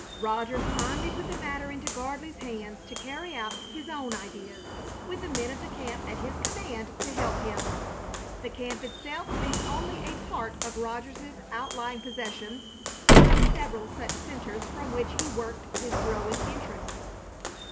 Rogers finally put the matter into Gardley's hands to carry out his own ideas, with the men of the camp at his command to help him, the camp itself being only a part of Rogers's outlying possessions, one of several such centers from which he worked his growing interests.